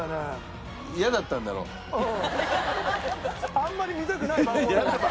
あんまり見たくない番号だから。